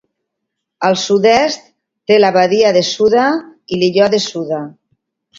Al sud-est té la badia de Suda i l'illot de Suda.